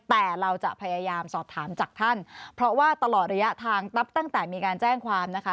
แต่เราจะพยายามสอบถามจากท่านเพราะว่าตลอดระยะทางนับตั้งแต่มีการแจ้งความนะคะ